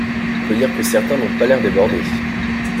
On peut dire que certains n'ont pas l'air débordés.